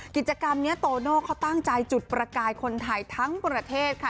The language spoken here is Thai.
กิจกรรมนี้โตโน่เขาตั้งใจจุดประกายคนไทยทั้งประเทศค่ะ